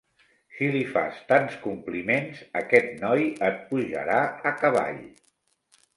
Si li fas tants compliments, aquest noi et pujarà a cavall.